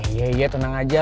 iya iya tenang aja